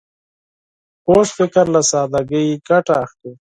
کوږ فکر له سادګۍ ګټه اخلي